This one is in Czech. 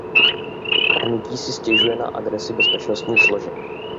Hnutí si stěžuje na agresi bezpečnostních složek.